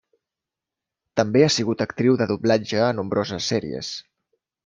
També ha sigut actriu de doblatge a nombroses sèries.